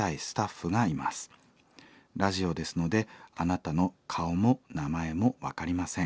ラジオですのであなたの顔も名前も分かりません。